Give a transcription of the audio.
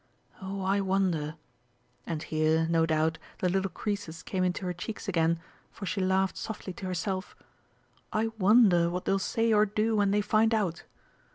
Oh, I wonder" (and here, no doubt, the little creases came into her cheeks again, for she laughed softly to herself), "I wonder what they'll say or do when they find out!"